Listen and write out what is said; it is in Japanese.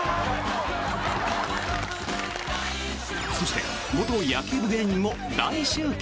そして元野球部芸人も大集結。